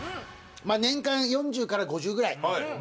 まあ年間４０から５０ぐらい。